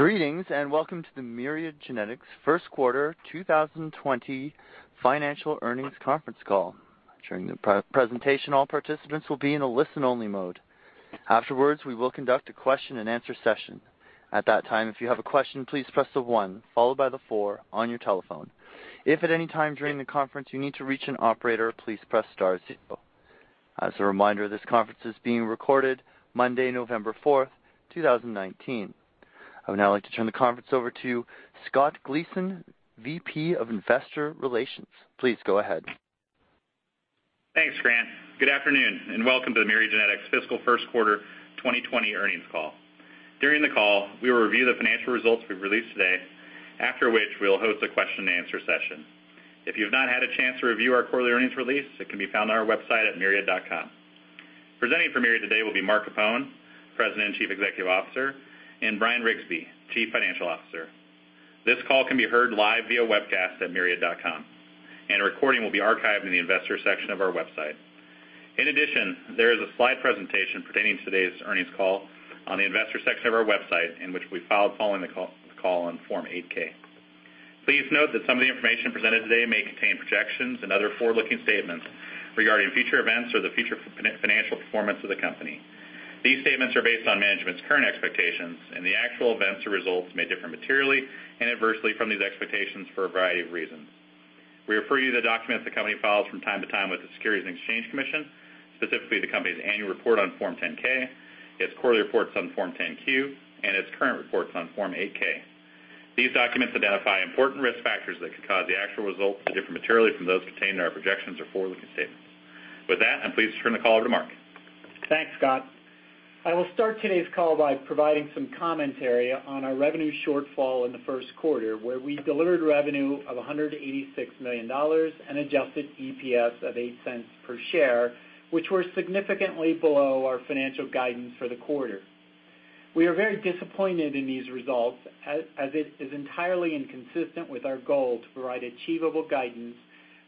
Greetings, and welcome to the Myriad Genetics first quarter 2020 financial earnings conference call. During the presentation, all participants will be in a listen-only mode. Afterwards, we will conduct a question and answer session. At that time, if you have a question, please press the one followed by the four on your telephone. If at any time during the conference you need to reach an operator, please press star zero. As a reminder, this conference is being recorded Monday, November 4th, 2019. I would now like to turn the conference over to Scott Gleason, VP of Investor Relations. Please go ahead. Thanks, Grant. Good afternoon. Welcome to the Myriad Genetics fiscal first quarter 2020 earnings call. During the call, we will review the financial results we've released today, after which we'll host a question and answer session. If you've not had a chance to review our quarterly earnings release, it can be found on our website at myriad.com. Presenting for Myriad today will be Mark Capone, President and Chief Executive Officer, and Bryan Riggsbee, Chief Financial Officer. This call can be heard live via webcast at myriad.com. A recording will be archived in the Investors section of our website. In addition, there is a slide presentation pertaining to today's earnings call on the Investors section of our website, and which we filed following the call on Form 8-K. Please note that some of the information presented today may contain projections and other forward-looking statements regarding future events or the future financial performance of the company. These statements are based on management's current expectations, and the actual events or results may differ materially and adversely from these expectations for a variety of reasons. We refer you to the documents the company files from time to time with the Securities and Exchange Commission, specifically the company's annual report on Form 10-K, its quarterly reports on Form 10-Q, and its current reports on Form 8-K. These documents identify important risk factors that could cause the actual results to differ materially from those contained in our projections or forward-looking statements. With that, I'm pleased to turn the call over to Mark. Thanks, Scott. I will start today's call by providing some commentary on our revenue shortfall in the first quarter, where we delivered revenue of $186 million and adjusted EPS of $0.08 per share, which were significantly below our financial guidance for the quarter. We are very disappointed in these results, as it is entirely inconsistent with our goal to provide achievable guidance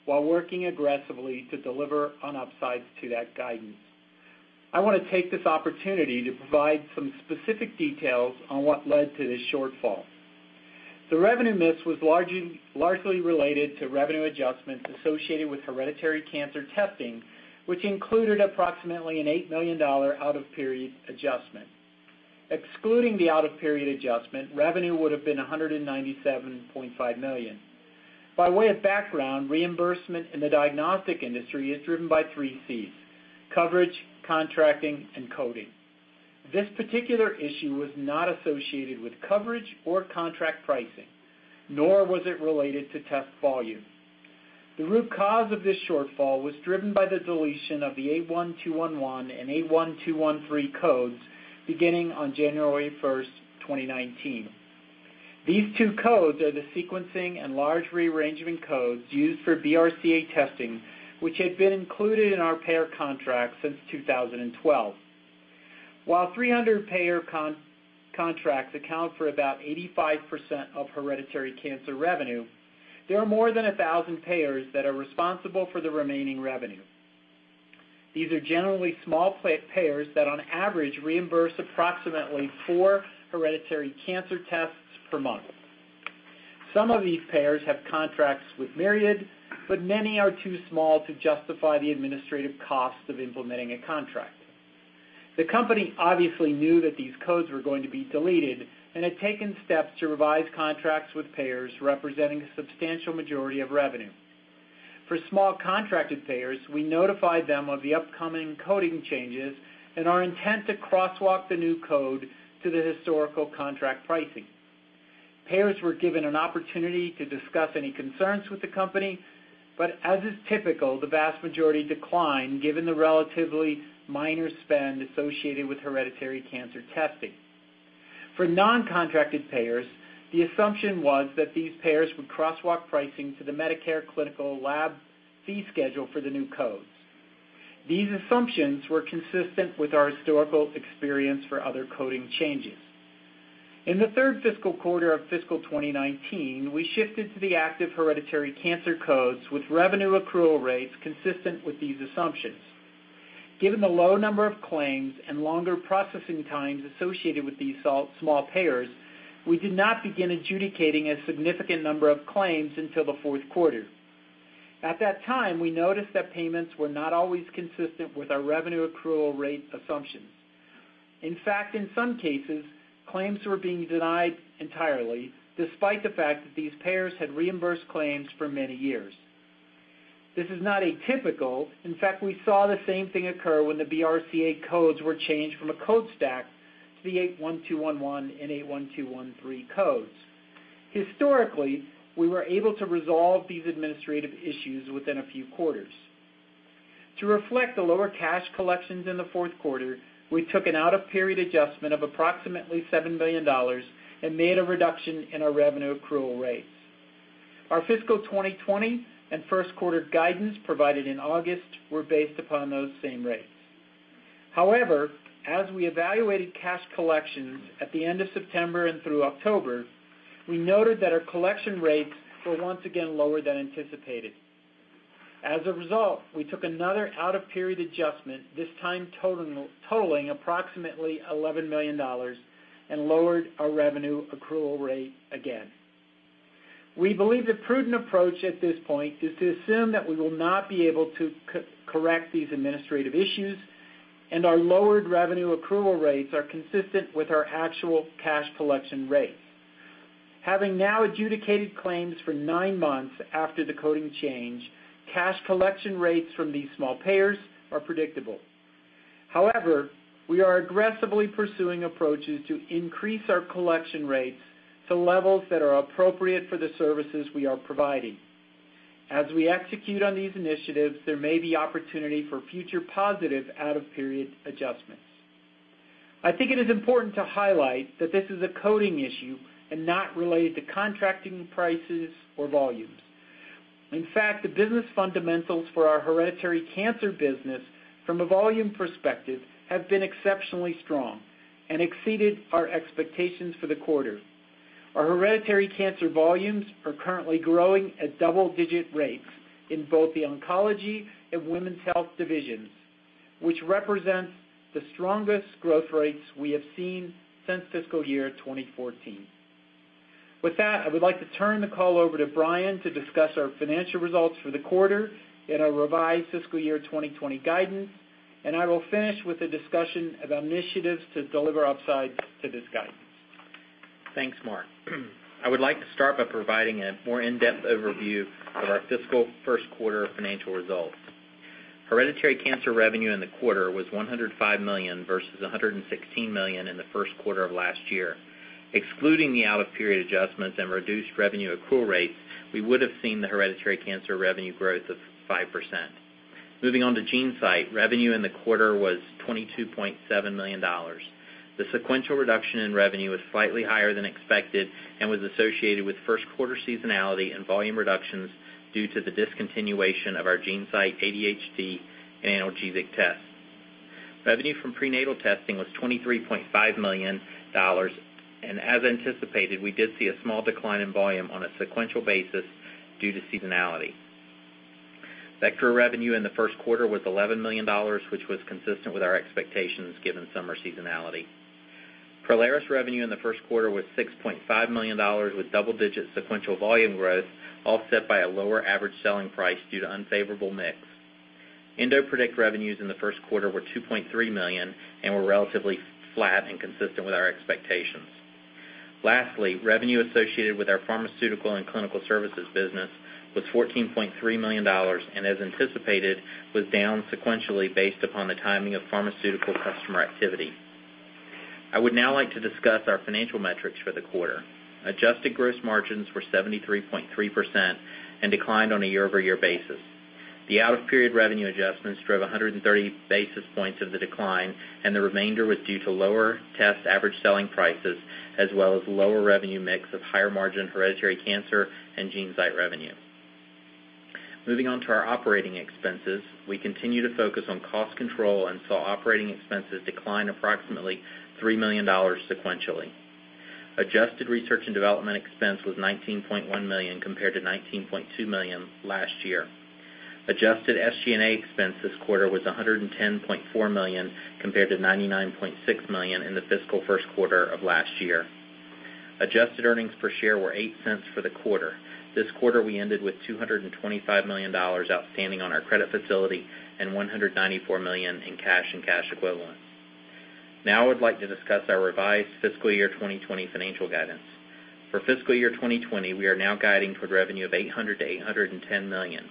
while working aggressively to deliver on upsides to that guidance. I want to take this opportunity to provide some specific details on what led to this shortfall. The revenue miss was largely related to revenue adjustments associated with hereditary cancer testing, which included approximately an $8 million out-of-period adjustment. Excluding the out-of-period adjustment, revenue would have been $197.5 million. By way of background, reimbursement in the diagnostic industry is driven by three Cs: coverage, contracting, and coding. This particular issue was not associated with coverage or contract pricing, nor was it related to test volume. The root cause of this shortfall was driven by the deletion of the 81211 and 81213 codes beginning on January 1st, 2019. These two codes are the sequencing and large rearrangement codes used for BRCA testing, which had been included in our payer contracts since 2012. While 300 payer contracts account for about 85% of hereditary cancer revenue, there are more than 1,000 payers that are responsible for the remaining revenue. These are generally small payers that on average reimburse approximately four hereditary cancer tests per month. Some of these payers have contracts with Myriad, but many are too small to justify the administrative cost of implementing a contract. The company obviously knew that these codes were going to be deleted and had taken steps to revise contracts with payers representing a substantial majority of revenue. For small contracted payers, we notified them of the upcoming coding changes and our intent to crosswalk the new code to the historical contract pricing. Payers were given an opportunity to discuss any concerns with the company, but as is typical, the vast majority declined given the relatively minor spend associated with hereditary cancer testing. For non-contracted payers, the assumption was that these payers would crosswalk pricing to the Medicare Clinical Laboratory Fee Schedule for the new codes. These assumptions were consistent with our historical experience for other coding changes. In the third fiscal quarter of fiscal 2019, we shifted to the active hereditary cancer codes with revenue accrual rates consistent with these assumptions. Given the low number of claims and longer processing times associated with these small payers, we did not begin adjudicating a significant number of claims until the fourth quarter. At that time, we noticed that payments were not always consistent with our revenue accrual rate assumptions. In fact, in some cases, claims were being denied entirely, despite the fact that these payers had reimbursed claims for many years. This is not atypical. In fact, we saw the same thing occur when the BRCA codes were changed from a code stack to the 81211 and 81213 codes. Historically, we were able to resolve these administrative issues within a few quarters. To reflect the lower cash collections in the fourth quarter, we took an out-of-period adjustment of approximately $7 million and made a reduction in our revenue accrual rates. Our fiscal 2020 and first quarter guidance provided in August were based upon those same rates. As we evaluated cash collections at the end of September and through October, we noted that our collection rates were once again lower than anticipated. As a result, we took another out-of-period adjustment, this time totaling approximately $11 million, and lowered our revenue accrual rate again. We believe the prudent approach at this point is to assume that we will not be able to correct these administrative issues, and our lowered revenue accrual rates are consistent with our actual cash collection rates. Having now adjudicated claims for nine months after the coding change, cash collection rates from these small payers are predictable. We are aggressively pursuing approaches to increase our collection rates to levels that are appropriate for the services we are providing. As we execute on these initiatives, there may be opportunity for future positive out-of-period adjustments. I think it is important to highlight that this is a coding issue and not related to contracting prices or volumes. In fact, the business fundamentals for our hereditary cancer business from a volume perspective, have been exceptionally strong and exceeded our expectations for the quarter. Our hereditary cancer volumes are currently growing at double-digit rates in both the oncology and women's health divisions, which represents the strongest growth rates we have seen since fiscal year 2014. With that, I would like to turn the call over to Bryan to discuss our financial results for the quarter and our revised fiscal year 2020 guidance, and I will finish with a discussion of initiatives to deliver upsides to this guidance. Thanks, Mark. I would like to start by providing a more in-depth overview of our fiscal first quarter financial results. Hereditary cancer revenue in the quarter was $105 million, versus $116 million in the first quarter of last year. Excluding the out-of-period adjustments and reduced revenue accrual rates, we would have seen the hereditary cancer revenue growth of 5%. Moving on to GeneSight, revenue in the quarter was $22.7 million. The sequential reduction in revenue was slightly higher than expected and was associated with first quarter seasonality and volume reductions due to the discontinuation of our GeneSight ADHD and analgesic test. Revenue from prenatal testing was $23.5 million, and as anticipated, we did see a small decline in volume on a sequential basis due to seasonality. Vectra revenue in the first quarter was $11 million, which was consistent with our expectations given summer seasonality. Prolaris revenue in the first quarter was $6.5 million with double-digit sequential volume growth, offset by a lower average selling price due to unfavorable mix. EndoPredict revenues in the first quarter were $2.3 million and were relatively flat and consistent with our expectations. Lastly, revenue associated with our pharmaceutical and clinical services business was $14.3 million, and as anticipated, was down sequentially based upon the timing of pharmaceutical customer activity. I would now like to discuss our financial metrics for the quarter. Adjusted gross margins were 73.3% and declined on a year-over-year basis. The out-of-period revenue adjustments drove 130 basis points of the decline, and the remainder was due to lower test average selling prices, as well as lower revenue mix of higher margin hereditary cancer and GeneSight revenue. Moving on to our operating expenses. We continue to focus on cost control and saw operating expenses decline approximately $3 million sequentially. Adjusted research and development expense was $19.1 million compared to $19.2 million last year. Adjusted SG&A expense this quarter was $110.4 million, compared to $99.6 million in the fiscal first quarter of last year. Adjusted earnings per share were $0.08 for the quarter. This quarter, we ended with $225 million outstanding on our credit facility and $194 million in cash and cash equivalents. Now I would like to discuss our revised fiscal year 2020 financial guidance. For fiscal year 2020, we are now guiding toward revenue of $800 million-$810 million.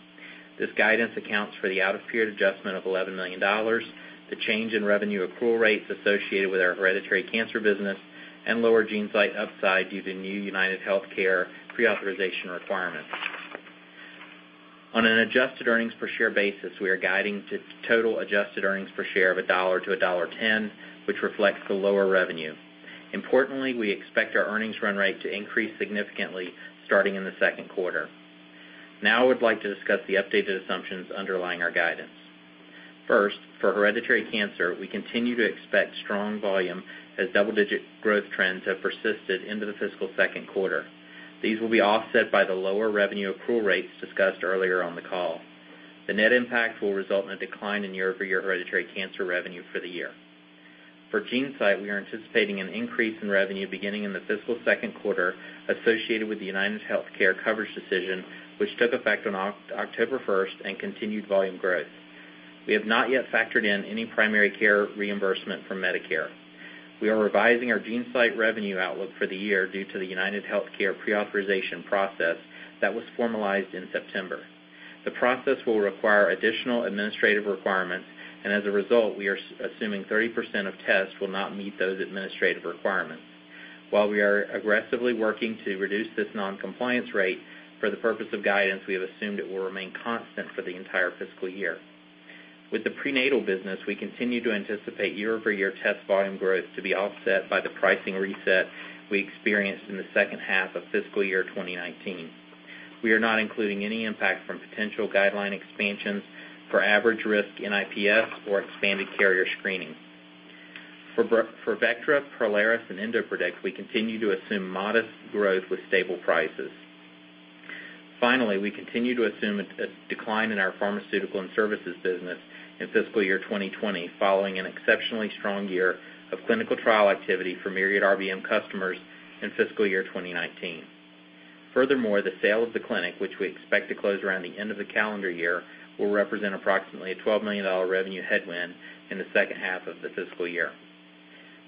This guidance accounts for the out-of-period adjustment of $11 million, the change in revenue accrual rates associated with our hereditary cancer business, and lower GeneSight upside due to new UnitedHealthcare pre-authorization requirements. On an adjusted earnings per share basis, we are guiding to total adjusted earnings per share of $1-$1.10, which reflects the lower revenue. Importantly, we expect our earnings run rate to increase significantly starting in the second quarter. I would like to discuss the updated assumptions underlying our guidance. For hereditary cancer, we continue to expect strong volume as double-digit growth trends have persisted into the fiscal second quarter. These will be offset by the lower revenue accrual rates discussed earlier on the call. The net impact will result in a decline in year-over-year hereditary cancer revenue for the year. For GeneSight, we are anticipating an increase in revenue beginning in the fiscal second quarter associated with the UnitedHealthcare coverage decision, which took effect on October 1st and continued volume growth. We have not yet factored in any primary care reimbursement from Medicare. We are revising our GeneSight revenue outlook for the year due to the UnitedHealthcare pre-authorization process that was formalized in September. The process will require additional administrative requirements, and as a result, we are assuming 30% of tests will not meet those administrative requirements. While we are aggressively working to reduce this non-compliance rate, for the purpose of guidance, we have assumed it will remain constant for the entire fiscal year. With the prenatal business, we continue to anticipate year-over-year test volume growth to be offset by the pricing reset we experienced in the second half of fiscal year 2019. We are not including any impact from potential guideline expansions for average risk NIPS or expanded carrier screening. For Vectra, Prolaris, and EndoPredict, we continue to assume modest growth with stable prices. Finally, we continue to assume a decline in our pharmaceutical and services business in fiscal year 2020, following an exceptionally strong year of clinical trial activity for Myriad RBM customers in fiscal year 2019. The sale of the clinic, which we expect to close around the end of the calendar year, will represent approximately a $12 million revenue headwind in the second half of the fiscal year.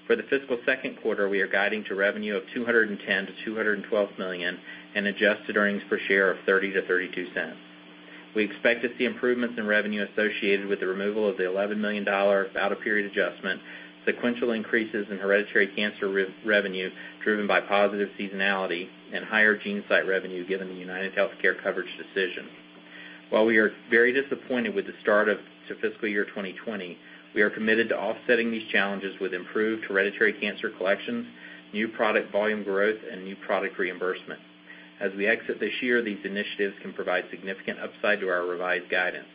For the fiscal second quarter, we are guiding to revenue of $210 million to $212 million and adjusted earnings per share of $0.30 to $0.32. We expect to see improvements in revenue associated with the removal of the $11 million out-of-period adjustment, sequential increases in hereditary cancer risk revenue driven by positive seasonality, and higher GeneSight revenue, given the UnitedHealthcare coverage decision. While we are very disappointed with the start of fiscal year 2020, we are committed to offsetting these challenges with improved hereditary cancer collections, new product volume growth, and new product reimbursement. As we exit this year, these initiatives can provide significant upside to our revised guidance.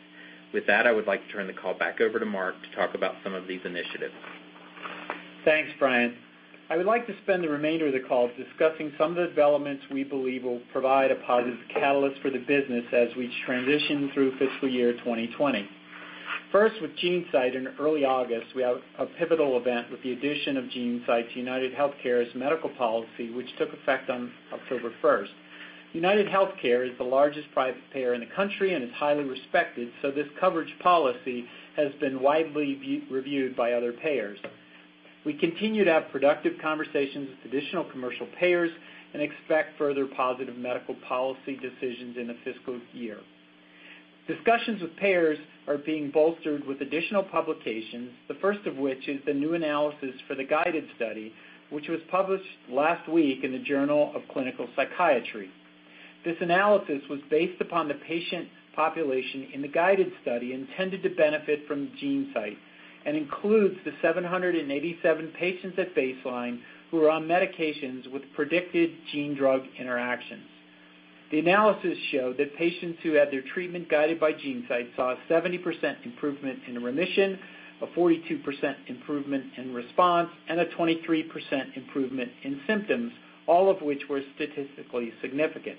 With that, I would like to turn the call back over to Mark to talk about some of these initiatives. Thanks, Bryan. I would like to spend the remainder of the call discussing some of the developments we believe will provide a positive catalyst for the business as we transition through fiscal year 2020. First, with GeneSight, in early August, we have a pivotal event with the addition of GeneSight to UnitedHealthcare's medical policy, which took effect on October 1st. UnitedHealthcare is the largest private payer in the country and is highly respected, so this coverage policy has been widely reviewed by other payers. We continue to have productive conversations with traditional commercial payers and expect further positive medical policy decisions in the fiscal year. Discussions with payers are being bolstered with additional publications, the first of which is the new analysis for the GUIDED study, which was published last week in The Journal of Clinical Psychiatry. This analysis was based upon the patient population in the GUIDED study intended to benefit from GeneSight and includes the 787 patients at baseline who are on medications with predicted gene-drug interactions. The analysis show that patients who had their treatment guided by GeneSight saw a 70% improvement in remission, a 42% improvement in response, and a 23% improvement in symptoms, all of which were statistically significant.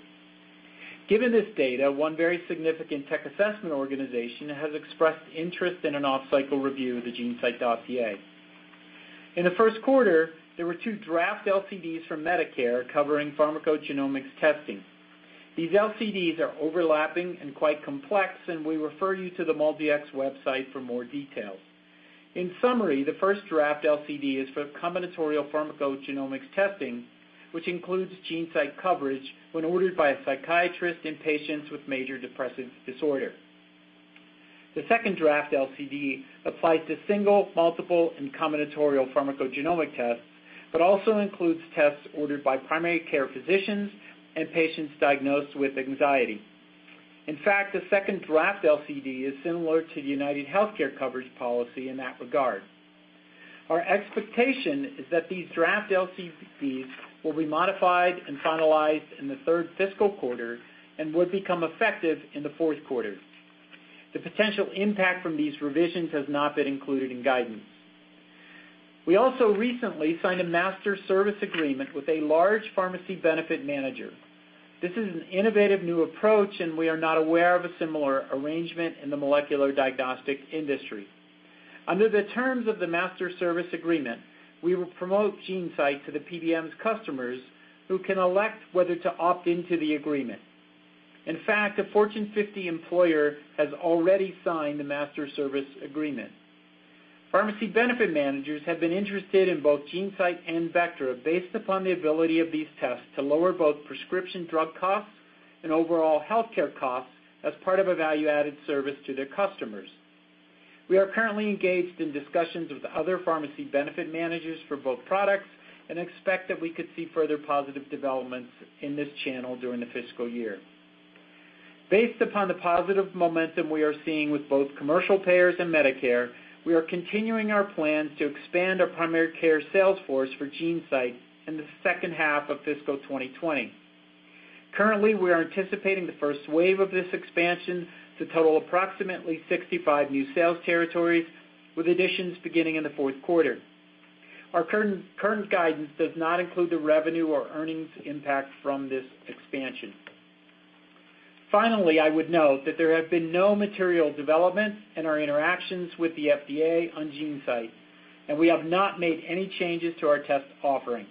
Given this data, one very significant tech assessment organization has expressed interest in an off-cycle review of the GeneSight dossier. In the first quarter, there were two draft LCDs from Medicare covering pharmacogenomics testing. These LCDs are overlapping and quite complex, and we refer you to the MolDX website for more details. In summary, the first draft LCD is for combinatorial pharmacogenomics testing, which includes GeneSight coverage when ordered by a psychiatrist in patients with major depressive disorder. The second draft LCD applies to single, multiple, and combinatorial pharmacogenomic tests, also includes tests ordered by primary care physicians and patients diagnosed with anxiety. In fact, the second draft LCD is similar to the UnitedHealthcare coverage policy in that regard. Our expectation is that these draft LCDs will be modified and finalized in the third fiscal quarter and would become effective in the fourth quarter. The potential impact from these revisions has not been included in guidance. We also recently signed a master service agreement with a large pharmacy benefit manager. This is an innovative new approach. We are not aware of a similar arrangement in the molecular diagnostic industry. Under the terms of the master service agreement, we will promote GeneSight to the PBM's customers, who can elect whether to opt into the agreement. In fact, a Fortune 50 employer has already signed the master service agreement. Pharmacy benefit managers have been interested in both GeneSight and Vectra based upon the ability of these tests to lower both prescription drug costs and overall healthcare costs as part of a value-added service to their customers. We are currently engaged in discussions with other pharmacy benefit managers for both products and expect that we could see further positive developments in this channel during the fiscal year. Based upon the positive momentum we are seeing with both commercial payers and Medicare, we are continuing our plans to expand our primary care sales force for GeneSight in the second half of fiscal 2020. Currently, we are anticipating the first wave of this expansion to total approximately 65 new sales territories, with additions beginning in the fourth quarter. Our current guidance does not include the revenue or earnings impact from this expansion. Finally, I would note that there have been no material developments in our interactions with the FDA on GeneSight, and we have not made any changes to our test offering.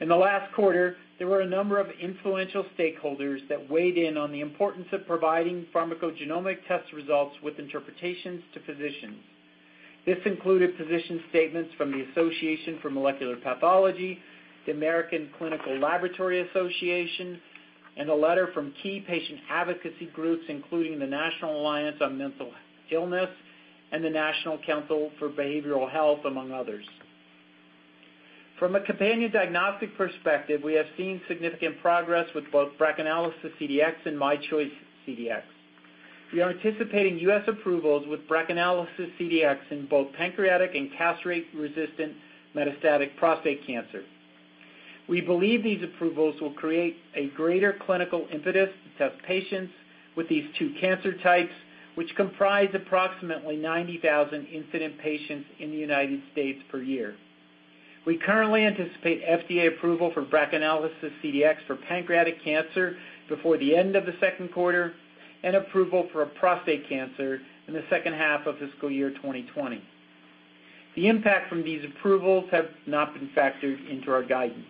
In the last quarter, there were a number of influential stakeholders that weighed in on the importance of providing pharmacogenomic test results with interpretations to physicians. This included position statements from the Association for Molecular Pathology, the American Clinical Laboratory Association, and a letter from key patient advocacy groups, including the National Alliance on Mental Illness and the National Council for Behavioral Health, among others. From a companion diagnostic perspective, we have seen significant progress with both BRACAnalysis CDx and myChoice CDx. We are anticipating U.S. approvals with BRACAnalysis CDx in both pancreatic and castrate-resistant metastatic prostate cancer. We believe these approvals will create a greater clinical impetus to test patients with these two cancer types, which comprise approximately 90,000 incident patients in the U.S. per year. We currently anticipate FDA approval for BRACAnalysis CDx for pancreatic cancer before the end of the second quarter and approval for prostate cancer in the second half of fiscal year 2020. The impact from these approvals have not been factored into our guidance.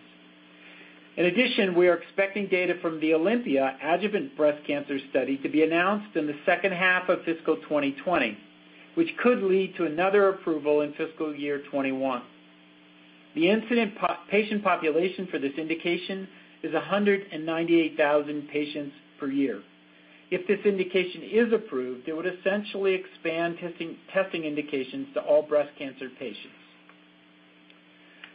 In addition, we are expecting data from the OlympiA adjuvant breast cancer study to be announced in the second half of fiscal 2020, which could lead to another approval in fiscal year 2021. The incident patient population for this indication is 198,000 patients per year. If this indication is approved, it would essentially expand testing indications to all breast cancer patients.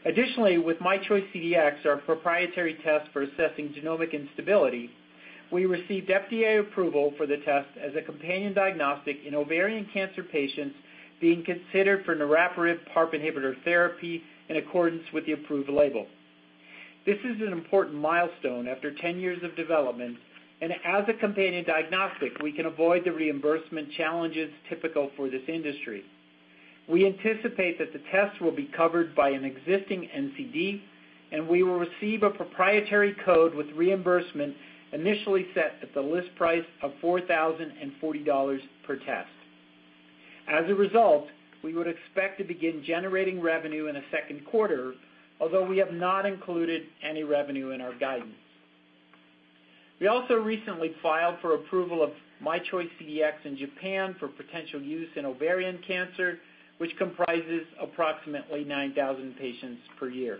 With myChoice CDx, our proprietary test for assessing genomic instability, we received FDA approval for the test as a companion diagnostic in ovarian cancer patients being considered for niraparib PARP inhibitor therapy in accordance with the approved label. This is an important milestone after 10 years of development, as a companion diagnostic, we can avoid the reimbursement challenges typical for this industry. We anticipate that the test will be covered by an existing NCD, and we will receive a proprietary code with reimbursement initially set at the list price of $4,040 per test. As a result, we would expect to begin generating revenue in the second quarter, although we have not included any revenue in our guidance. We also recently filed for approval of myChoice CDx in Japan for potential use in ovarian cancer, which comprises approximately 9,000 patients per year.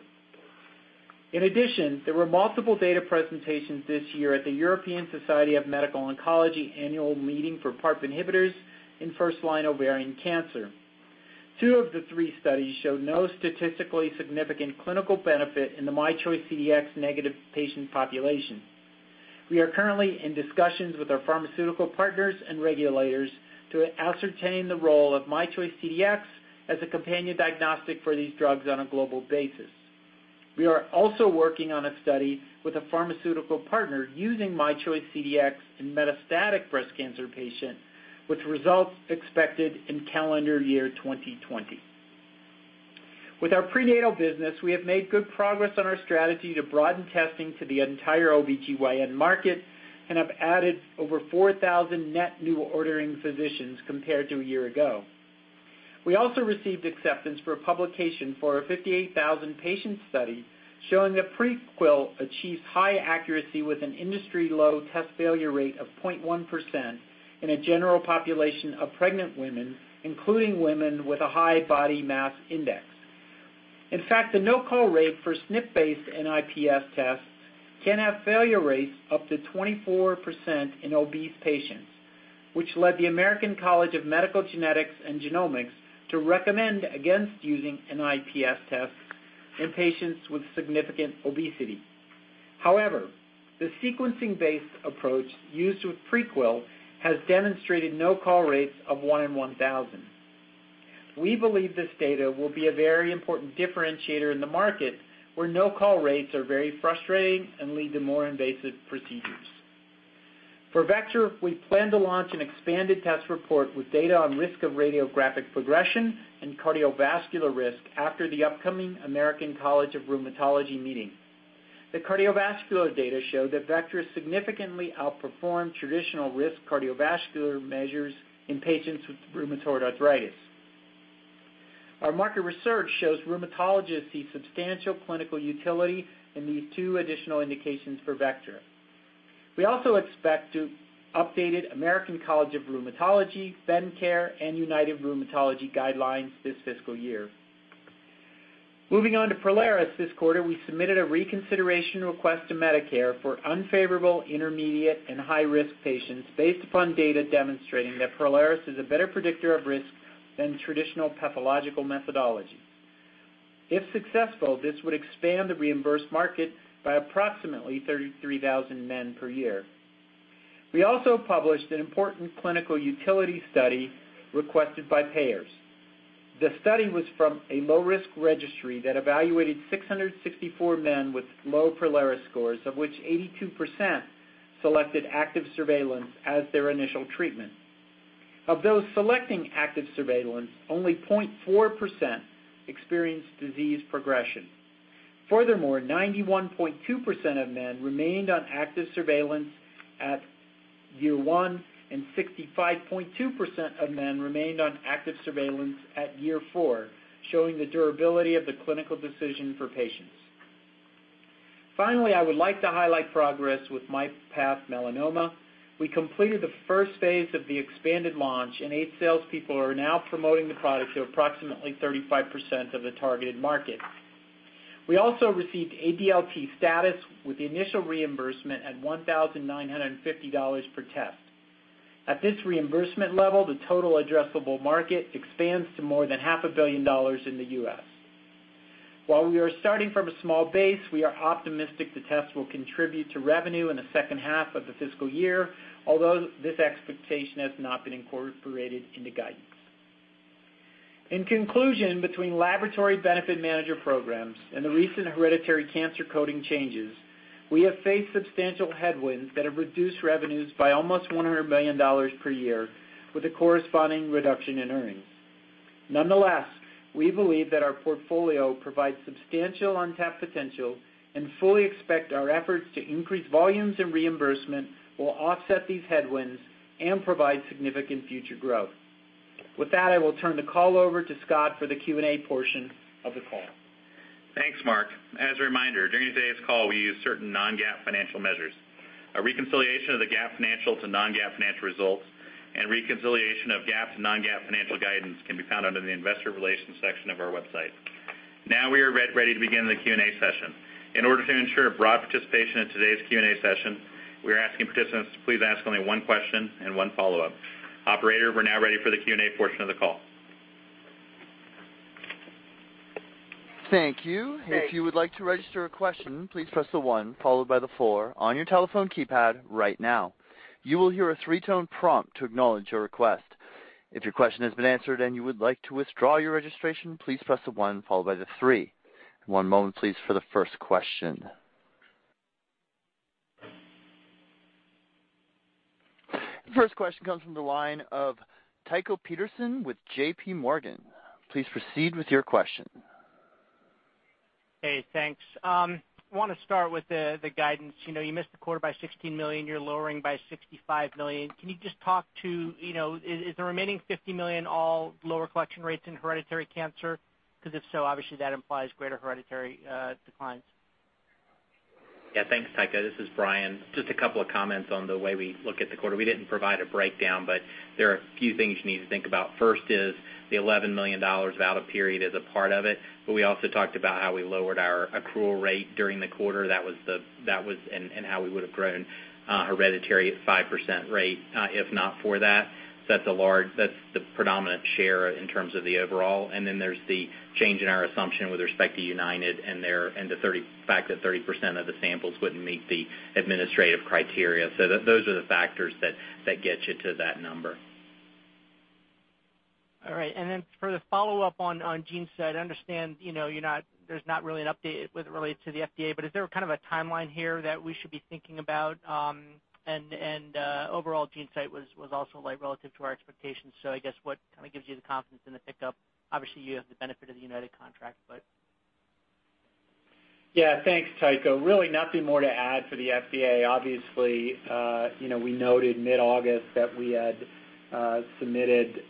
In addition, there were multiple data presentations this year at the European Society of Medical Oncology annual meeting for PARP inhibitors in first-line ovarian cancer. Two of the three studies showed no statistically significant clinical benefit in the myChoice CDx negative patient population. We are currently in discussions with our pharmaceutical partners and regulators to ascertain the role of myChoice CDx as a companion diagnostic for these drugs on a global basis. We are also working on a study with a pharmaceutical partner using myChoice CDx in metastatic breast cancer patient, with results expected in calendar year 2020. With our prenatal business, we have made good progress on our strategy to broaden testing to the entire OB-GYN market and have added over 4,000 net new ordering physicians compared to a year ago. We also received acceptance for a publication for a 58,000-patient study showing that Prequel achieves high accuracy with an industry-low test failure rate of 0.1% in a general population of pregnant women, including women with a high body mass index. In fact, the no-call rate for SNP-based NIPS tests can have failure rates up to 24% in obese patients, which led the American College of Medical Genetics and Genomics to recommend against using NIPS tests in patients with significant obesity. However, the sequencing-based approach used with Prequel has demonstrated no-call rates of one in 1,000. We believe this data will be a very important differentiator in the market, where no-call rates are very frustrating and lead to more invasive procedures. For Vectra, we plan to launch an expanded test report with data on risk of radiographic progression and cardiovascular risk after the upcoming American College of Rheumatology meeting. The cardiovascular data show that Vectra significantly outperformed traditional risk cardiovascular measures in patients with rheumatoid arthritis. Our market research shows rheumatologists see substantial clinical utility in these two additional indications for Vectra. We also expect two updated American College of Rheumatology, Bendcare, and United Rheumatology guidelines this fiscal year. Moving on to Prolaris, this quarter, we submitted a reconsideration request to Medicare for unfavorable, intermediate, and high-risk patients based upon data demonstrating that Prolaris is a better predictor of risk than traditional pathological methodology. If successful, this would expand the reimbursed market by approximately 33,000 men per year. We also published an important clinical utility study requested by payers. The study was from a low-risk registry that evaluated 664 men with low Prolaris scores, of which 82% selected active surveillance as their initial treatment. Of those selecting active surveillance, only 0.4% experienced disease progression. Furthermore, 91.2% of men remained on active surveillance at year one, and 65.2% of men remained on active surveillance at year four, showing the durability of the clinical decision for patients. Finally, I would like to highlight progress with myPath Melanoma. We completed the first phase of the expanded launch, and eight salespeople are now promoting the product to approximately 35% of the targeted market. We also received ADLT status with the initial reimbursement at $1,950 per test. At this reimbursement level, the total addressable market expands to more than half a billion dollars in the U.S. While we are starting from a small base, we are optimistic the test will contribute to revenue in the second half of the fiscal year, although this expectation has not been incorporated into guidance. In conclusion, between laboratory benefit manager programs and the recent hereditary cancer coding changes, we have faced substantial headwinds that have reduced revenues by almost $100 million per year with a corresponding reduction in earnings. Nonetheless, we believe that our portfolio provides substantial untapped potential and fully expect our efforts to increase volumes and reimbursement will offset these headwinds and provide significant future growth. With that, I will turn the call over to Scott for the Q&A portion of the call. Thanks, Mark. As a reminder, during today's call, we use certain non-GAAP financial measures. A reconciliation of the GAAP financial to non-GAAP financial results and reconciliation of GAAP to non-GAAP financial guidance can be found under the investor relations section of our website. Now we are ready to begin the Q&A session. In order to ensure broad participation in today's Q&A session, we are asking participants to please ask only one question and one follow-up. Operator, we're now ready for the Q&A portion of the call. Thank you. If you would like to register a question, please press the one followed by the four on your telephone keypad right now. You will hear a three-tone prompt to acknowledge your request. If your question has been answered and you would like to withdraw your registration, please press the one followed by the three. One moment please for the first question. The first question comes from the line of Tycho Peterson with JPMorgan. Please proceed with your question. Hey, thanks. I want to start with the guidance. You missed the quarter by $16 million. You're lowering by $65 million. Can you just talk to, is the remaining $50 million all lower collection rates in hereditary cancer? If so, obviously that implies greater hereditary declines. Yeah, thanks, Tycho. This is Bryan. Just a couple of comments on the way we look at the quarter. We didn't provide a breakdown. There are a few things you need to think about. First is the $11 million out-of-period is a part of it. We also talked about how we lowered our accrual rate during the quarter, and how we would have grown hereditary at 5% rate if not for that. That's the predominant share in terms of the overall. There's the change in our assumption with respect to United and the fact that 30% of the samples wouldn't meet the administrative criteria. Those are the factors that get you to that number. All right. For the follow-up on GeneSight, I understand there's not really an update with related to the FDA, is there a kind of a timeline here that we should be thinking about? Overall GeneSight was also relative to our expectations. I guess what kind of gives you the confidence in the pickup? Obviously, you have the benefit of the United contract. Yeah. Thanks, Tycho. Really nothing more to add for the FDA. Obviously, we noted mid-August that we had submitted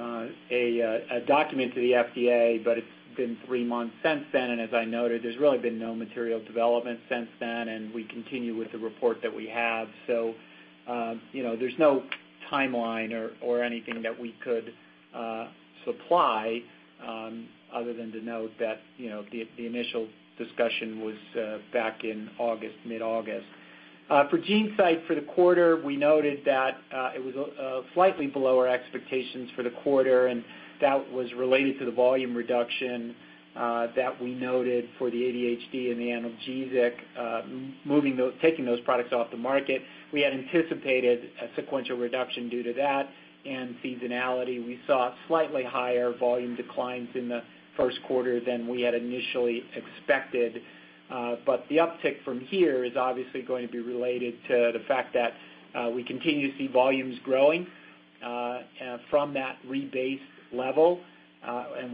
a document to the FDA, but it's been 3 months since then, and as I noted, there's really been no material development since then, and we continue with the report that we have. There's no timeline or anything that we could supply other than to note that the initial discussion was back in mid-August. For GeneSight for the quarter, we noted that it was slightly below our expectations for the quarter, and that was related to the volume reduction that we noted for the ADHD and the analgesic, taking those products off the market. We had anticipated a sequential reduction due to that and seasonality. We saw slightly higher volume declines in the first quarter than we had initially expected. The uptick from here is obviously going to be related to the fact that we continue to see volumes growing from that rebased level.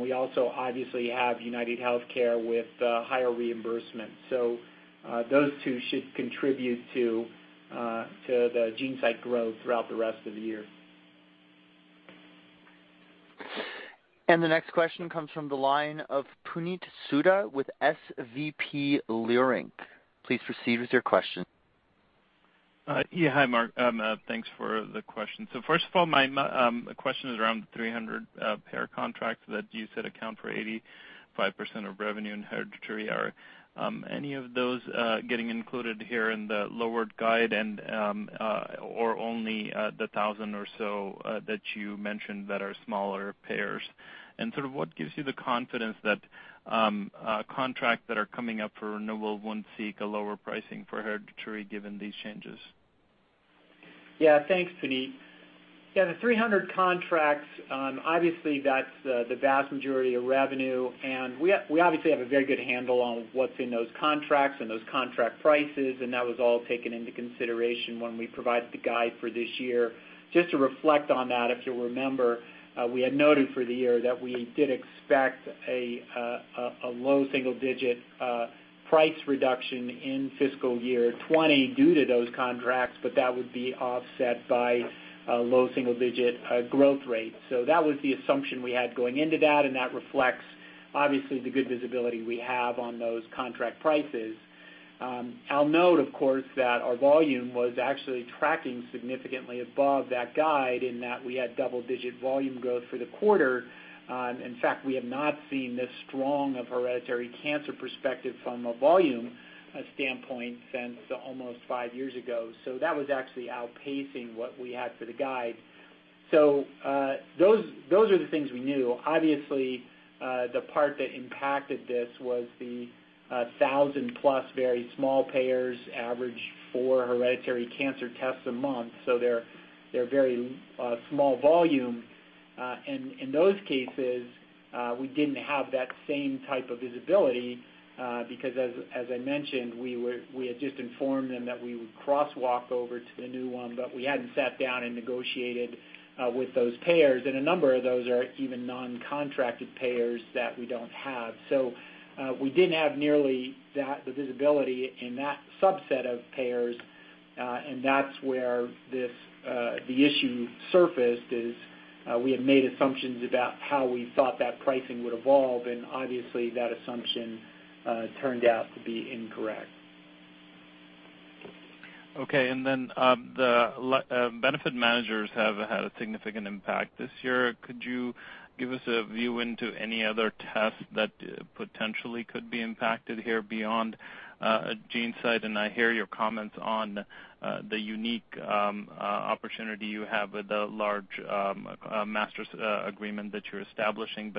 We also obviously have UnitedHealthcare with higher reimbursement. Those two should contribute to the GeneSight growth throughout the rest of the year. The next question comes from the line of Puneet Souda with SVB Leerink. Please proceed with your question. Hi, Mark. Thanks for the question. First of all, my question is around the 300 payer contracts that you said account for 85% of revenue in hereditary. Are any of those getting included here in the lowered guide or only the 1,000 or so that you mentioned that are smaller payers? Sort of what gives you the confidence that contracts that are coming up for renewal won't seek a lower pricing for hereditary given these changes? Thanks, Puneet. The 300 contracts, obviously that's the vast majority of revenue, and we obviously have a very good handle on what's in those contracts and those contract prices, and that was all taken into consideration when we provided the guide for this year. Just to reflect on that, if you'll remember, we had noted for the year that we did expect a low single-digit price reduction in fiscal year 2020 due to those contracts, but that would be offset by a low single-digit growth rate. That was the assumption we had going into that, and that reflects, obviously, the good visibility we have on those contract prices. I'll note, of course, that our volume was actually tracking significantly above that guide in that we had double-digit volume growth for the quarter. In fact, we have not seen this strong of hereditary cancer perspective from a volume standpoint since almost five years ago. That was actually outpacing what we had for the guide. Those are the things we knew. Obviously, the part that impacted this was the 1,000-plus very small payers average four hereditary cancer tests a month. They're very small volume. In those cases, we didn't have that same type of visibility, because as I mentioned, we had just informed them that we would cross walk over to the new one, but we hadn't sat down and negotiated with those payers. A number of those are even non-contracted payers that we don't have. We didn't have nearly the visibility in that subset of payers, and that's where the issue surfaced, is we had made assumptions about how we thought that pricing would evolve, and obviously, that assumption turned out to be incorrect. Okay, the benefit managers have had a significant impact this year. Could you give us a view into any other tests that potentially could be impacted here beyond GeneSight? I hear your comments on the unique opportunity you have with the large masters agreement that you're establishing.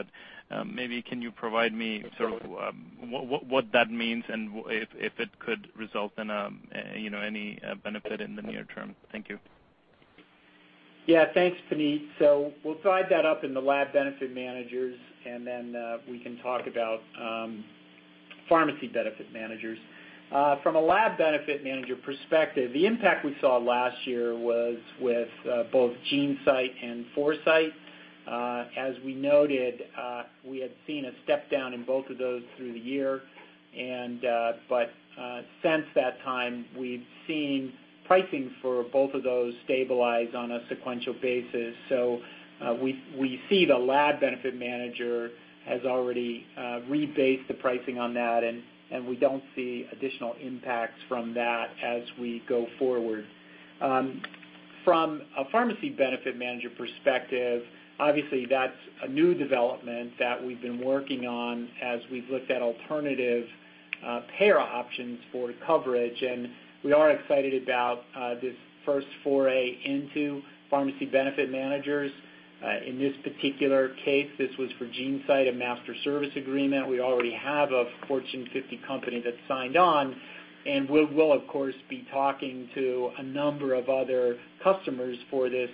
Maybe can you provide me sort of what that means, and if it could result in any benefit in the near term? Thank you. Yeah. Thanks, Puneet. We'll divide that up in the lab benefit managers, and then we can talk about pharmacy benefit managers. From a lab benefit manager perspective, the impact we saw last year was with both GeneSight and Foresight. As we noted, we had seen a step-down in both of those through the year. Since that time, we've seen pricing for both of those stabilize on a sequential basis. We see the lab benefit manager has already rebased the pricing on that, and we don't see additional impacts from that as we go forward. From a pharmacy benefit manager perspective, obviously that's a new development that we've been working on as we've looked at alternative payer options for coverage, and we are excited about this first foray into pharmacy benefit managers. In this particular case, this was for GeneSight, a master service agreement. We already have a Fortune 50 company that's signed on, We will of course be talking to a number of other customers for this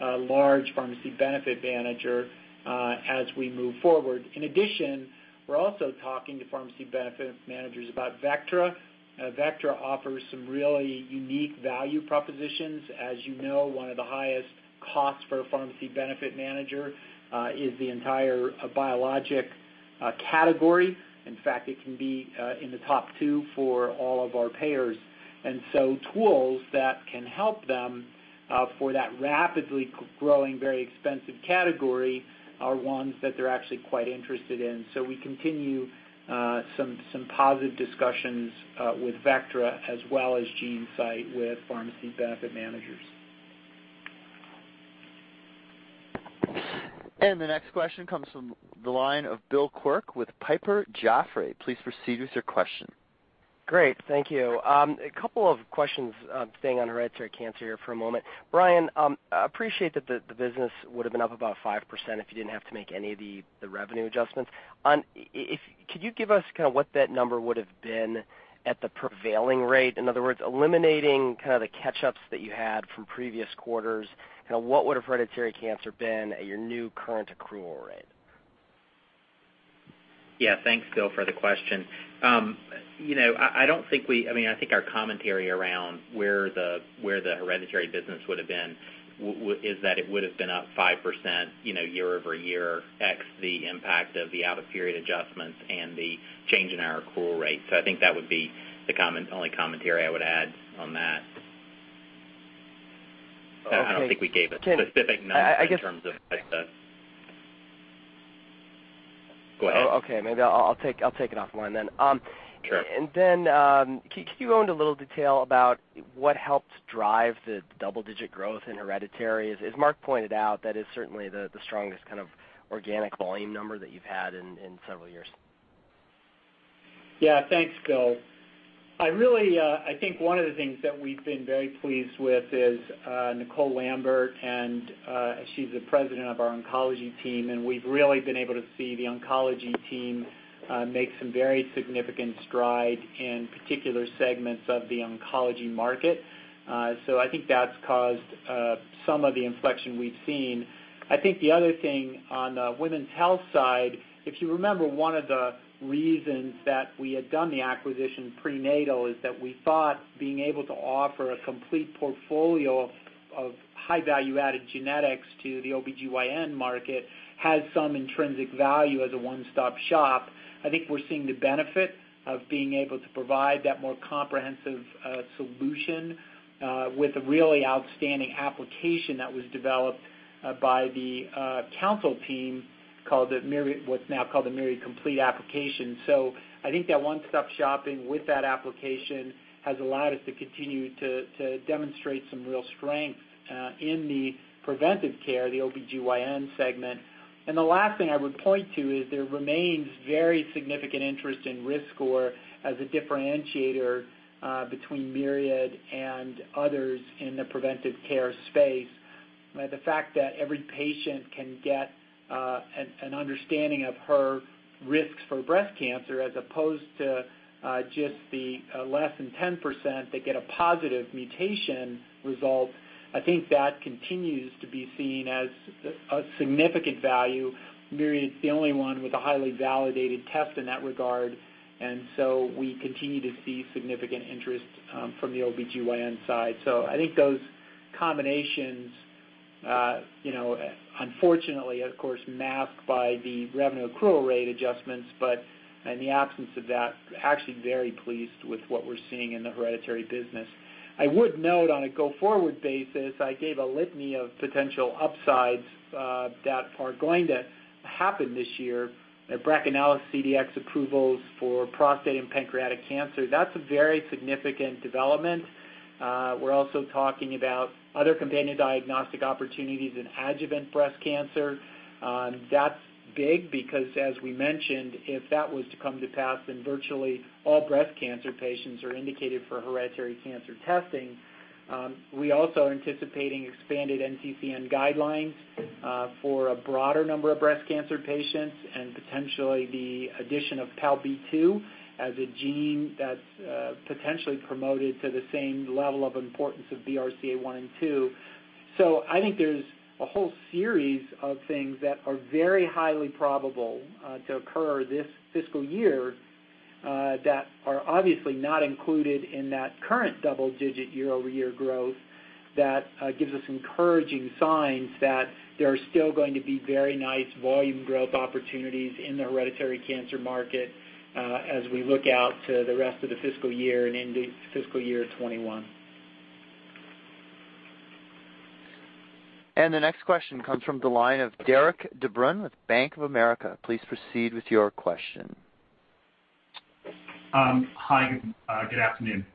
large pharmacy benefit manager as we move forward. In addition, we're also talking to pharmacy benefit managers about Vectra. Vectra offers some really unique value propositions. As you know, one of the highest costs for a pharmacy benefit manager is the entire biologic category. In fact, it can be in the top two for all of our payers. Tools that can help them, for that rapidly growing, very expensive category, are ones that they're actually quite interested in. We continue some positive discussions with Vectra as well as GeneSight, with pharmacy benefit managers. The next question comes from the line of Bill Quirk with Piper Jaffray. Please proceed with your question. Great. Thank you. A couple of questions, staying on hereditary cancer here for a moment. Bryan, appreciate that the business would've been up about 5% if you didn't have to make any of the revenue adjustments. Could you give us kind of what that number would've been at the prevailing rate? In other words, eliminating kind of the catch-ups that you had from previous quarters, what would've hereditary cancer been at your new current accrual rate? Yeah. Thanks, Bill, for the question. I think our commentary around where the hereditary business would've been, is that it would've been up 5% year-over-year, x the impact of the out-of-period adjustments and the change in our accrual rate. I think that would be the only commentary I would add on that. Okay. I don't think we gave a specific number in terms of what the. Go ahead. Okay. Maybe I'll take it offline then. Sure. Can you go into a little detail about what helped drive the double-digit growth in hereditary? As Mark pointed out, that is certainly the strongest kind of organic volume number that you've had in several years. Yeah, thanks, Bill. I think one of the things that we've been very pleased with is Nicole Lambert, and she's the President of our oncology team, and we've really been able to see the oncology team make some very significant stride in particular segments of the oncology market. I think that's caused some of the inflection we've seen. I think the other thing on the women's health side, if you remember, one of the reasons that we had done the acquisition prenatal is that we thought being able to offer a complete portfolio of high value-added genetics to the OB-GYN market has some intrinsic value as a one-stop shop. I think we're seeing the benefit of being able to provide that more comprehensive solution, with a really outstanding application that was developed by the Counsyl team, what's now called the Myriad Complete application. I think that one-stop shopping with that application has allowed us to continue to demonstrate some real strength in the preventive care, the OB-GYN segment. The last thing I would point to is there remains very significant interest in risk score as a differentiator between Myriad and others in the preventive care space, by the fact that every patient can get an understanding of her risks for breast cancer as opposed to just the less than 10% that get a positive mutation result. I think that continues to be seen as a significant value. Myriad is the only one with a highly validated test in that regard, and so we continue to see significant interest from the OB-GYN side. I think those combinations, unfortunately, of course, masked by the revenue accrual rate adjustments, but in the absence of that, actually very pleased with what we're seeing in the hereditary business. I would note on a go-forward basis, I gave a litany of potential upsides that are going to happen this year. BRACAnalysis CDx approvals for prostate and pancreatic cancer. That's a very significant development. We're also talking about other companion diagnostic opportunities in adjuvant breast cancer. That's big because, as we mentioned, if that was to come to pass, then virtually all breast cancer patients are indicated for hereditary cancer testing. We also are anticipating expanded NCCN guidelines for a broader number of breast cancer patients and potentially the addition of PALB2 as a gene that's potentially promoted to the same level of importance of BRCA1 and 2. I think there's a whole series of things that are very highly probable to occur this fiscal year, that are obviously not included in that current double-digit year-over-year growth that gives us encouraging signs that there are still going to be very nice volume growth opportunities in the hereditary cancer market as we look out to the rest of the fiscal year and into fiscal year 2021. The next question comes from the line of Derik De Bruin with Bank of America. Please proceed with your question. Hi, good afternoon.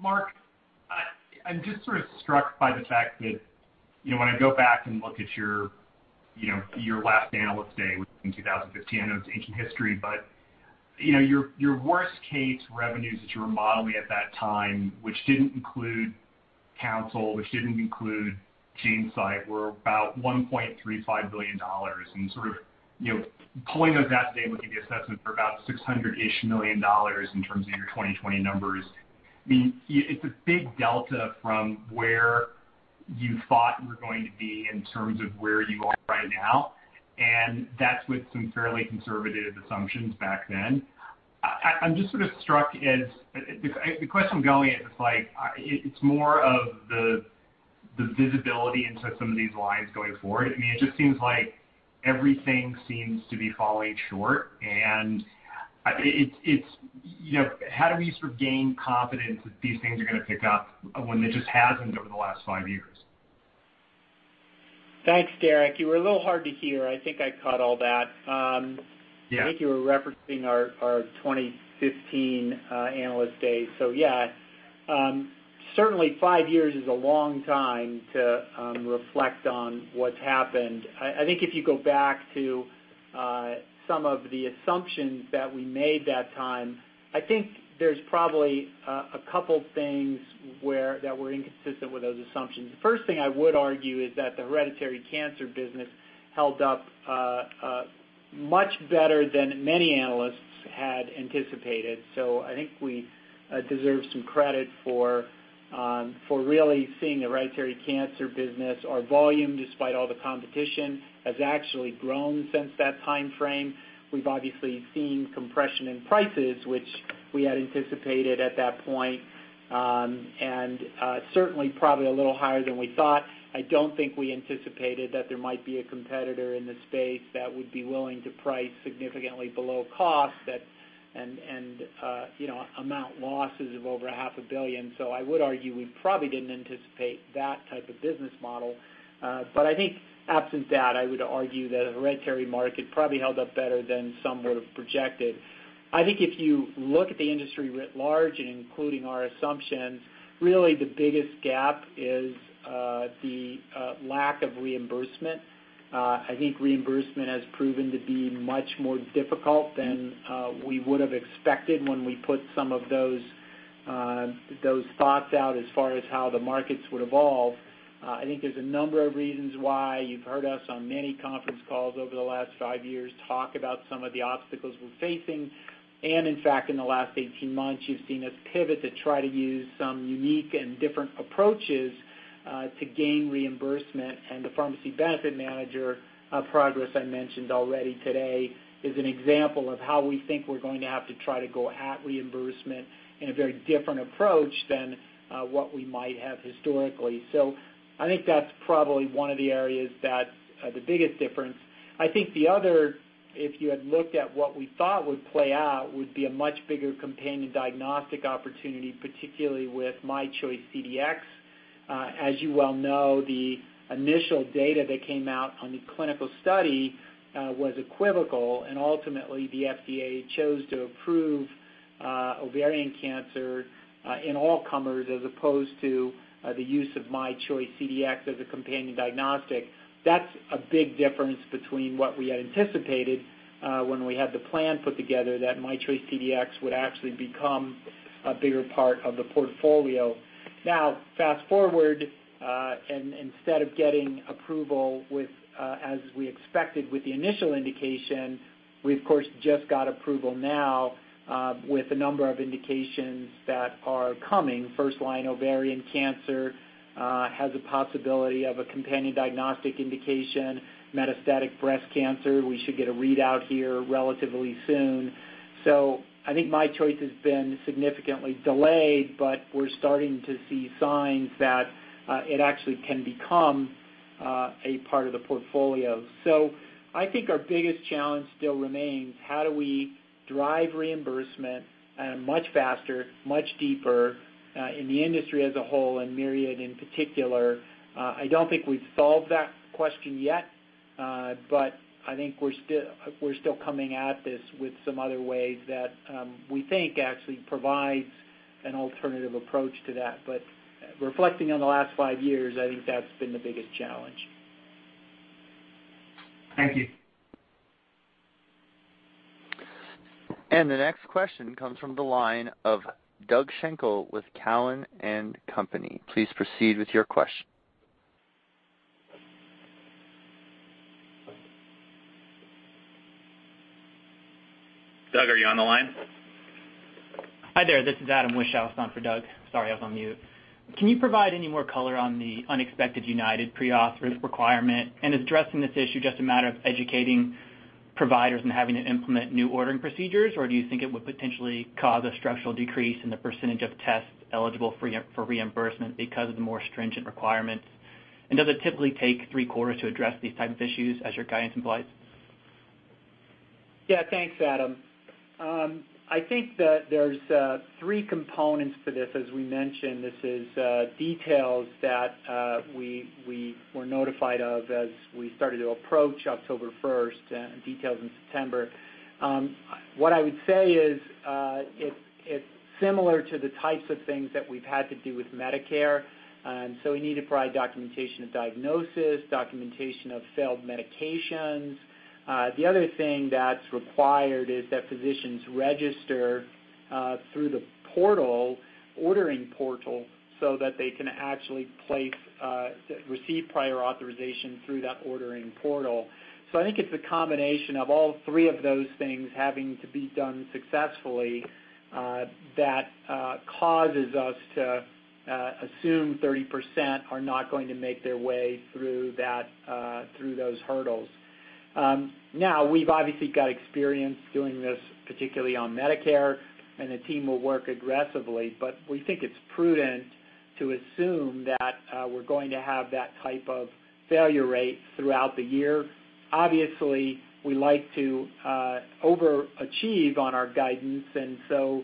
Mark, I'm just sort of struck by the fact that when I go back and look at your last Analyst Day, which was in 2015, I know it's ancient history, but your worst-case revenues that you were modeling at that time, which didn't include Counsyl, which didn't include GeneSight, were about $1.35 billion. Sort of pulling out that day would give you assessment for about $600-ish million in terms of your 2020 numbers. I mean, it's a big delta from where you thought you were going to be in terms of where you are right now, and that's with some fairly conservative assumptions back then. The question I'm going at is like, it's more of the visibility into some of these lines going forward. I mean, it just seems like everything seems to be falling short. How do we sort of gain confidence that these things are going to pick up when it just hasn't over the last five years? Thanks, Derik. You were a little hard to hear. I think I caught all that. Yeah. I think you were referencing our 2015 Analyst Day. Yeah. Certainly, five years is a long time to reflect on what's happened. I think if you go back to some of the assumptions that we made that time, I think there's probably a couple things that were inconsistent with those assumptions. The first thing I would argue is that the hereditary cancer business held up much better than many analysts had anticipated. I think we deserve some credit for really seeing the hereditary cancer business. Our volume, despite all the competition, has actually grown since that time frame. We've obviously seen compression in prices, which we had anticipated at that point, and certainly probably a little higher than we thought. I don't think we anticipated that there might be a competitor in the space that would be willing to price significantly below cost and amount losses of over a half a billion. I would argue we probably didn't anticipate that type of business model. I think absent that, I would argue that a hereditary market probably held up better than some would have projected. I think if you look at the industry writ large and including our assumptions, really the biggest gap is the lack of reimbursement. I think reimbursement has proven to be much more difficult than we would have expected when we put some of those thoughts out as far as how the markets would evolve. I think there's a number of reasons why you've heard us on many conference calls over the last 5 years talk about some of the obstacles we're facing. In fact, in the last 18 months, you've seen us pivot to try to use some unique and different approaches to gain reimbursement and the pharmacy benefit manager progress I mentioned already today is an example of how we think we're going to have to try to go at reimbursement in a very different approach than what we might have historically. I think that's probably one of the areas that the biggest difference. I think the other, if you had looked at what we thought would play out, would be a much bigger companion diagnostic opportunity, particularly with myChoice CDx. As you well know, the initial data that came out on the clinical study was equivocal, and ultimately, the FDA chose to approve ovarian cancer in all comers as opposed to the use of myChoice CDx as a companion diagnostic. That's a big difference between what we had anticipated, when we had the plan put together that myChoice CDx would actually become a bigger part of the portfolio. Now, fast-forward, instead of getting approval as we expected with the initial indication, we, of course, just got approval now with a number of indications that are coming. First line ovarian cancer has a possibility of a companion diagnostic indication. Metastatic breast cancer, we should get a readout here relatively soon. I think myChoice has been significantly delayed, but we're starting to see signs that it actually can become a part of the portfolio. I think our biggest challenge still remains: how do we drive reimbursement much faster, much deeper, in the industry as a whole, and Myriad in particular? I don't think we've solved that question yet, but I think we're still coming at this with some other ways that we think actually provides an alternative approach to that. Reflecting on the last five years, I think that's been the biggest challenge. Thank you. The next question comes from the line of Doug Schenkel with Cowen and Company. Please proceed with your question. Doug, are you on the line? Hi there. This is Adam Wisch. I'll stand for Doug. Sorry, I was on mute. Can you provide any more color on the unexpected United pre-auth requirement? Is addressing this issue just a matter of educating providers and having to implement new ordering procedures, or do you think it would potentially cause a structural decrease in the percentage of tests eligible for reimbursement because of the more stringent requirements? Does it typically take three-quarters to address these types of issues, as your guidance implies? Yeah, thanks, Adam. I think that there's three components to this. As we mentioned, this is details that we were notified of as we started to approach October 1st and detailed in September. What I would say is, it's similar to the types of things that we've had to do with Medicare. We need to provide documentation of diagnosis, documentation of failed medications. The other thing that's required is that physicians register through the ordering portal so that they can actually receive prior authorization through that ordering portal. I think it's a combination of all three of those things having to be done successfully that causes us to assume 30% are not going to make their way through those hurdles. Now, we've obviously got experience doing this, particularly on Medicare, and the team will work aggressively, but we think it's prudent to assume that we're going to have that type of failure rate throughout the year. Obviously, we like to overachieve on our guidance, and so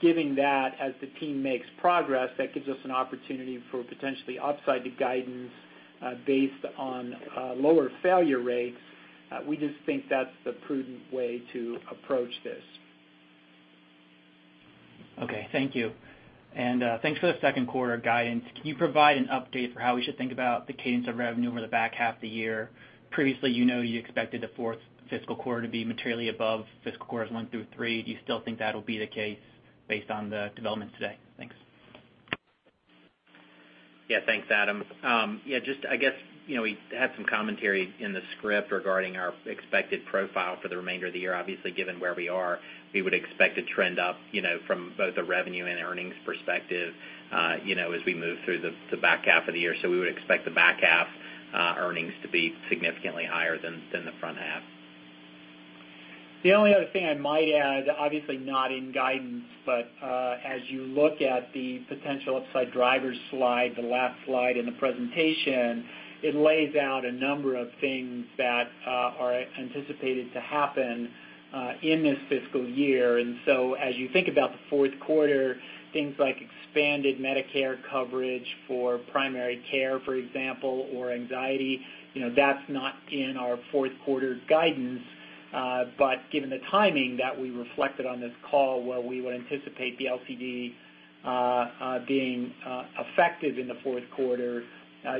given that, as the team makes progress, that gives us an opportunity for potentially upside to guidance based on lower failure rates. We just think that's the prudent way to approach this. Okay. Thank you. Thanks for the second quarter guidance. Can you provide an update for how we should think about the cadence of revenue over the back half of the year? Previously, you know, you expected the fourth fiscal quarter to be materially above fiscal quarters one through three. Do you still think that'll be the case based on the developments today? Thanks. Yeah. Thanks, Adam. I guess, we had some commentary in the script regarding our expected profile for the remainder of the year. Obviously, given where we are, we would expect to trend up from both a revenue and earnings perspective as we move through the back half of the year. We would expect the back half earnings to be significantly higher than the front half. The only other thing I might add, obviously not in guidance, as you look at the potential upside drivers slide, the last slide in the presentation, it lays out a number of things that are anticipated to happen in this fiscal year. As you think about the fourth quarter, things like expanded Medicare coverage for primary care, for example, or anxiety, that's not in our fourth quarter's guidance. Given the timing that we reflected on this call, where we would anticipate the LCD being effective in the fourth quarter,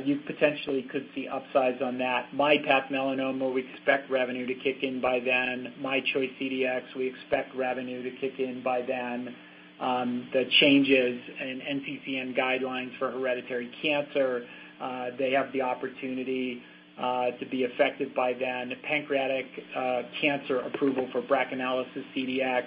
you potentially could see upsides on that. myPath Melanoma, we expect revenue to kick in by then. myChoice CDx, we expect revenue to kick in by then. The changes in NCCN guidelines for hereditary cancer, they have the opportunity to be effective by then. The pancreatic cancer approval for BRACAnalysis CDx.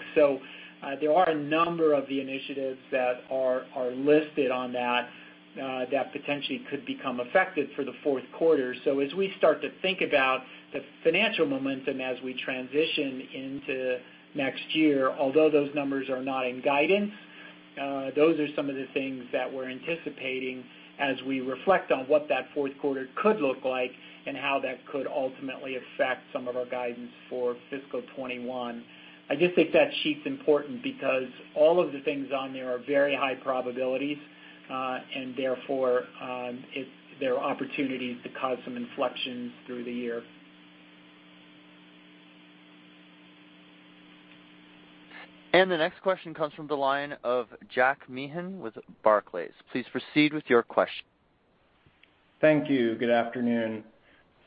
There are a number of the initiatives that are listed on that that potentially could become effective for the fourth quarter. As we start to think about the financial momentum as we transition into next year, although those numbers are not in guidance, those are some of the things that we're anticipating as we reflect on what that fourth quarter could look like and how that could ultimately affect some of our guidance for fiscal 2021. I just think that sheet's important because all of the things on there are very high probabilities, and therefore, they're opportunities to cause some inflections through the year. The next question comes from the line of Jack Meehan with Barclays. Please proceed with your question. Thank you. Good afternoon.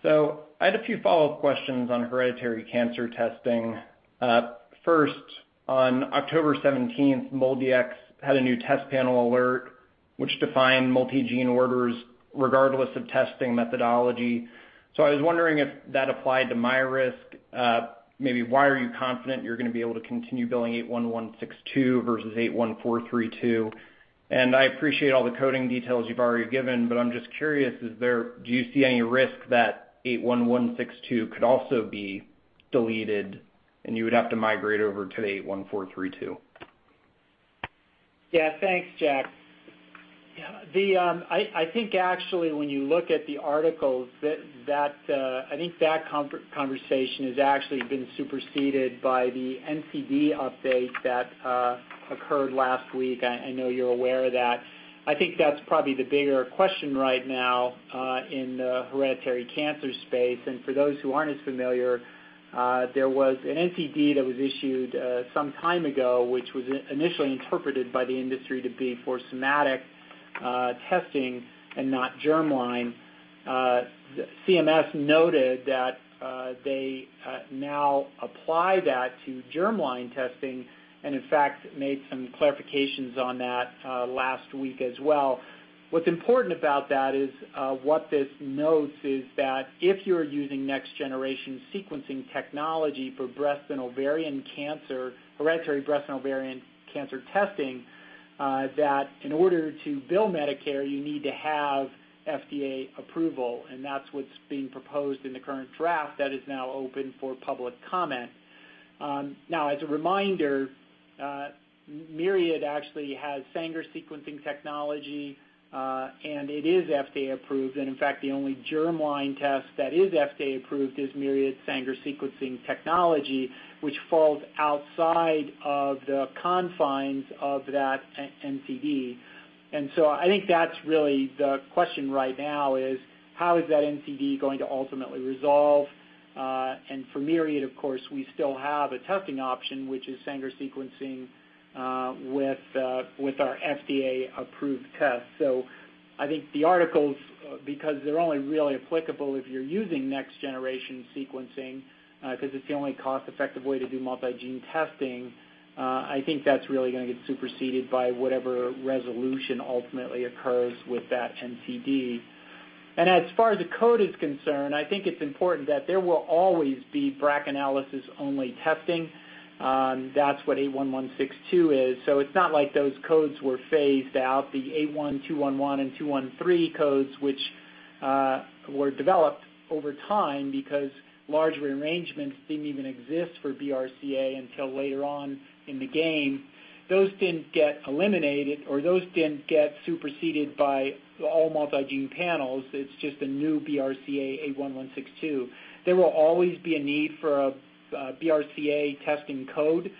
I had a few follow-up questions on hereditary cancer testing. First, on October 17th, MolDX had a new test panel alert, which defined multi-gene orders regardless of testing methodology. I was wondering if that applied to MyRisk. Maybe why are you confident you're going to be able to continue billing 81162 versus 81432? I appreciate all the coding details you've already given, but I'm just curious, do you see any risk that 81162 could also be deleted and you would have to migrate over to 81432? Yeah. Thanks, Jack. I think actually when you look at the articles, I think that conversation has actually been superseded by the NCD update that occurred last week. I know you're aware of that. I think that's probably the bigger question right now, in the hereditary cancer space. For those who aren't as familiar, there was an NCD that was issued some time ago, which was initially interpreted by the industry to be for somatic testing and not germline. CMS noted that they now apply that to germline testing and, in fact, made some clarifications on that last week as well. What's important about that is, what this notes is that if you're using Next-Generation Sequencing technology for hereditary breast and ovarian cancer testing, that in order to bill Medicare, you need to have FDA approval. That is what is being proposed in the current draft that is now open for public comment. As a reminder, Myriad actually has Sanger sequencing technology, and it is FDA approved, and in fact, the only germline test that is FDA approved is Myriad's Sanger sequencing technology, which falls outside of the confines of that NCD. I think that is really the question right now is, how is that NCD going to ultimately resolve? For Myriad, of course, we still have a testing option, which is Sanger sequencing, with our FDA-approved test. I think the articles, because they are only really applicable if you are using Next-Generation Sequencing, because it is the only cost-effective way to do multi-gene testing, I think that is really going to get superseded by whatever resolution ultimately occurs with that NCD. As far as the code is concerned, I think it's important that there will always be BRACAnalysis-only testing. That's what 81162 is. It's not like those codes were phased out. The 81211 and 213 codes, which were developed over time because large rearrangements didn't even exist for BRCA until later on in the game. Those didn't get eliminated, or those didn't get superseded by all multi-gene panels. It's just a new BRCA 81162. There will always be a need for a BRCA testing code.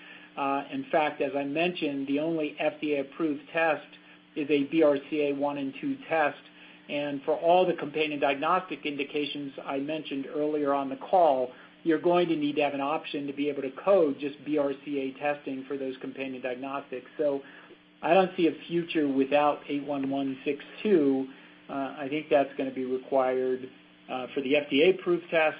In fact, as I mentioned, the only FDA-approved test is a BRCA 1 and 2 test. For all the companion diagnostic indications I mentioned earlier on the call, you're going to need to have an option to be able to code just BRCA testing for those companion diagnostics. I don't see a future without 81162. I think that's going to be required for the FDA-approved tests.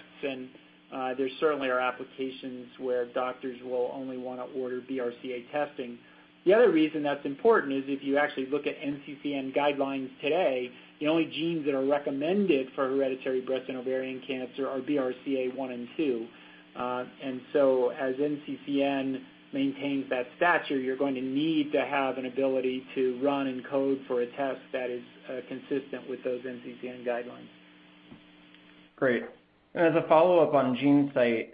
There certainly are applications where doctors will only want to order BRCA testing. The other reason that's important is if you actually look at NCCN guidelines today, the only genes that are recommended for hereditary breast and ovarian cancer are BRCA1 and 2. As NCCN maintains that stature, you're going to need to have an ability to run and code for a test that is consistent with those NCCN guidelines. Great. As a follow-up on GeneSight,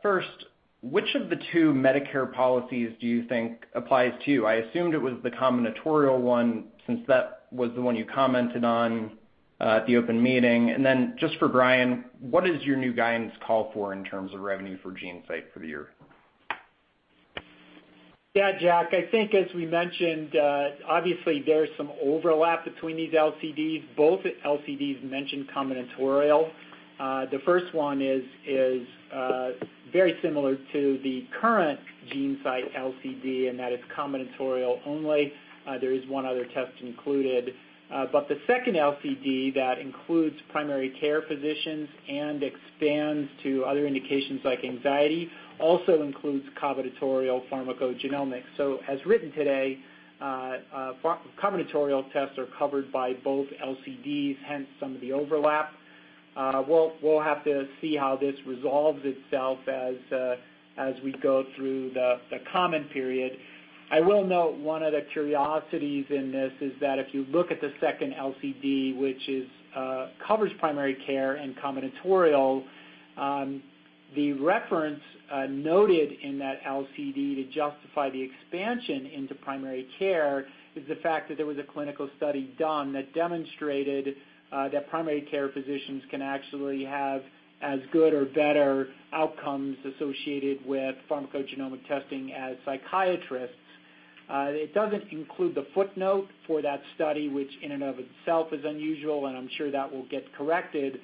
first, which of the two Medicare policies do you think applies to you? I assumed it was the combinatorial one since that was the one you commented on at the open meeting. Just for Brian, what does your new guidance call for in terms of revenue for GeneSight for the year? Jack, I think as we mentioned, obviously there's some overlap between these LCDs. Both LCDs mention combinatorial. The first one is very similar to the current GeneSight LCD, and that is combinatorial only. There is one other test included. The second LCD that includes primary care physicians and expands to other indications like anxiety, also includes combinatorial pharmacogenomics. As written today, combinatorial tests are covered by both LCDs, hence some of the overlap. We'll have to see how this resolves itself as we go through the comment period. I will note one of the curiosities in this is that if you look at the second LCD, which covers primary care and combinatorial, the reference noted in that LCD to justify the expansion into primary care is the fact that there was a clinical study done that demonstrated that primary care physicians can actually have as good or better outcomes associated with pharmacogenomic testing as psychiatrists. It doesn't include the footnote for that study, which in and of itself is unusual, and I'm sure that will get corrected.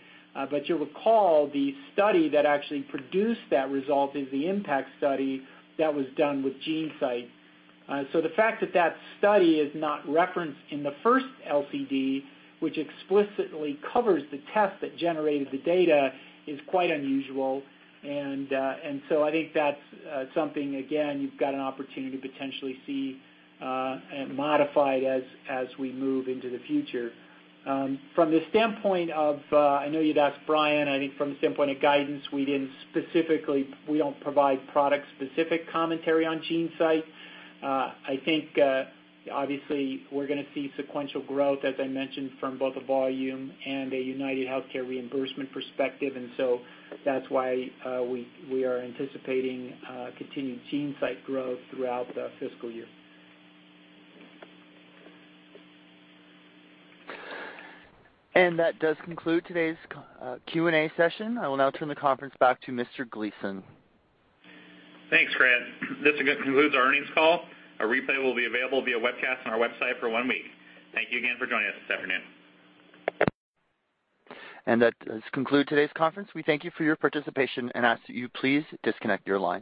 You'll recall the study that actually produced that result is the IMPACT study that was done with GeneSight. The fact that that study is not referenced in the first LCD, which explicitly covers the test that generated the data, is quite unusual. I think that's something, again, you've got an opportunity to potentially see and modify it as we move into the future. From the standpoint of, I know you'd asked Bryan, I think from the standpoint of guidance, we don't provide product-specific commentary on GeneSight. I think, obviously we're going to see sequential growth, as I mentioned, from both a volume and a UnitedHealthcare reimbursement perspective. That's why we are anticipating continued GeneSight growth throughout the fiscal year. That does conclude today's Q&A session. I will now turn the conference back to Mr. Gleason. Thanks, Brad. This concludes our earnings call. A replay will be available via webcast on our website for one week. Thank you again for joining us this afternoon. That does conclude today's conference. We thank you for your participation and ask that you please disconnect your line.